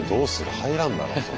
入らんだろそれ。